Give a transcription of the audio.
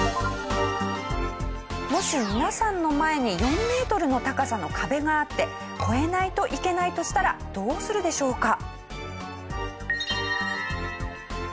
もし皆さんの前に４メートルの高さの壁があって越えないといけないとしたらどうするでしょうか？